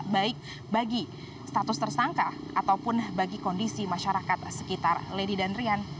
baik bagi status tersangka ataupun bagi kondisi masyarakat sekitar lady dan rian